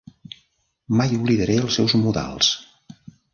Mai oblidaré els seus modals.